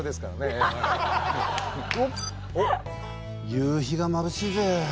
夕日がまぶしいぜ。